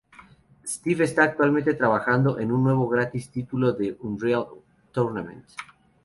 Steve actualmente está trabajando en un nuevo y gratis título de "Unreal Tournament".